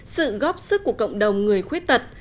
sự góp sức của cộng đồng người khuyết tật